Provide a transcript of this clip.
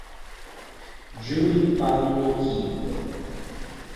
Jurij Pan'kiv